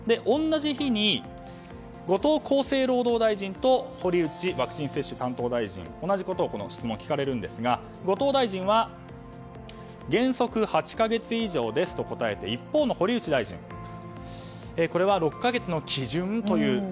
同じ日に、後藤厚生労働大臣と堀内ワクチン接種担当大臣は同じ質問を聞かれるんですが後藤大臣は原則８か月以上ですと答えて一方の堀内大臣は６か月が基準だと。